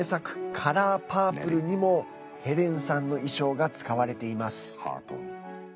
「カラーパープル」にもヘレンさんの衣装が使われています。